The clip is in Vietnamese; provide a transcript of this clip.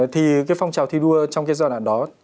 thì cái phong trào thi đua trong cái giai đoạn đó